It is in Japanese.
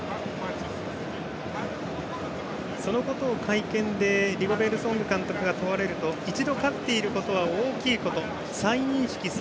そのことを会見でリゴベール・ソング監督が問われると一度勝っていることは大きいこと。